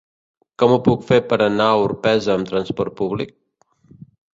Com ho puc fer per anar a Orpesa amb transport públic?